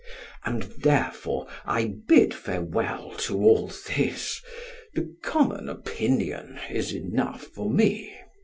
And therefore I bid farewell to all this; the common opinion is enough for me.